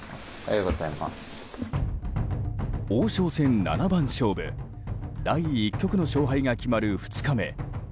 王将戦七番勝負第１局の勝敗が決まる２日目。